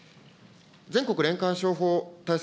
全国霊感商法対策